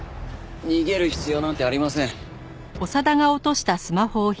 逃げる必要なんてありません。